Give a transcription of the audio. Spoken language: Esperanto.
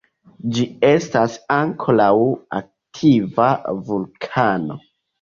Ĝi estas ankoraŭ aktiva vulkano.